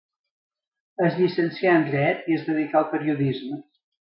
Es llicencià en dret i es dedicà al periodisme.